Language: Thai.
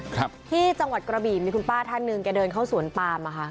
ครับที่จังหวัดกระบี่มีคุณป้าท่านหนึ่งแกเดินเข้าสวนปามอ่ะค่ะ